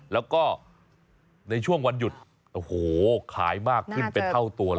แล้วก็ในช่วงวันหยุดโอ้โหขายมากขึ้นเป็นเท่าตัวเลย